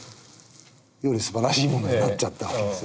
よりすばらしいものになっちゃった訳ですね。